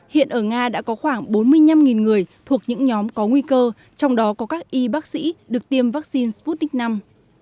hiện ở nga đã có khoảng bốn mươi năm người thuộc những nhóm có nguy cơ trong đó có các y bác sĩ được tiêm vaccine sputnik v